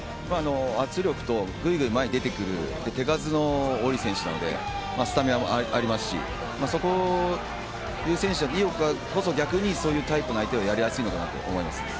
圧力とぐいぐい前に出てくる手数の多い選手なので、スタミナもありますし、井岡選手は逆にそういうタイプがやりやすいのかなと思います。